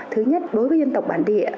thứ nhất đối với dân tộc bản địa